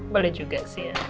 boleh juga sih ya